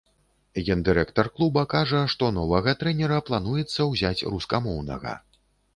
Гендырэктар клуба кажа, што новага трэнера плануецца ўзяць рускамоўнага.